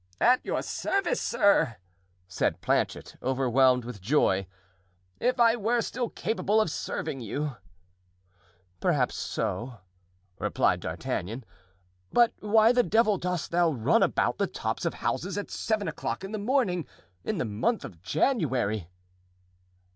"At your service, sir," said Planchet, overwhelmed with joy; "if I were still capable of serving you." "Perhaps so," replied D'Artagnan. "But why the devil dost thou run about the tops of houses at seven o'clock of the morning in the month of January?"